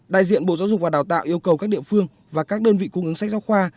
đại diện bộ giáo dục và đào tạo yêu cầu các địa phương và các đơn vị cung ứng sách giáo khoa